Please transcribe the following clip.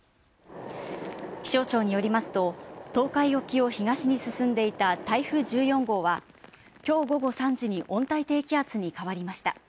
気象庁によりますと東海沖を東に進んでいた台風１４号は今日、午後３時に温帯低気圧に変わりました。